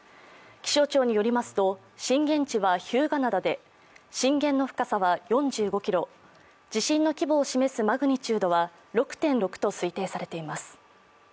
気象庁によりますと、震源地は日向灘で、震源の深さは４５ｋｍ地震の規模を示すマグニチュードは６．６と推定されています。